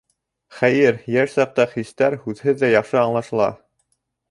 Хәйер, йәш саҡта хистәр һүҙһеҙ ҙә яҡшы аңлашыла.